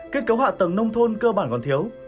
kết cấu hạ tầng nông thôn cơ bản còn thiếu